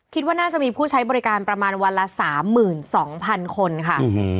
คิดว่าน่าจะมีผู้ใช้บริการประมาณวันละ๓๒๐๐๐คนค่ะ